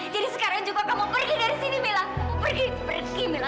jadi sekarang juga kamu pergi dari sini mila pergi pergi mila